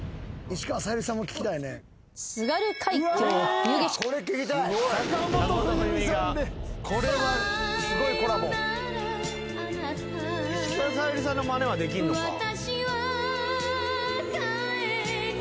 石川さゆりさんのまねはできんのか。